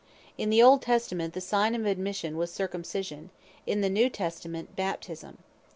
In the Old Testament, the sign of Admission was Circumcision; in the New Testament, Baptisme.